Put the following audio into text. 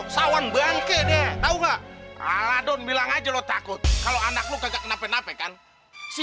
sawan bangke deh tau gak ala don bilang aja lo takut kalau anak lo kagak kenapain ape kan si